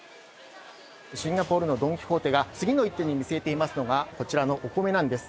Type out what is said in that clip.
シンガポールのドン・キホーテが、次の一手に見据えていますのが、こちらのおコメなんです。